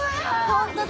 本当だ。